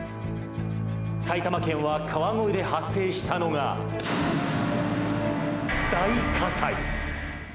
埼玉県は川越で発生したのが大火災。